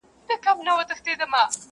موږ خو هیڅ لیدلي نه دي هر څه ولیدل یزدان -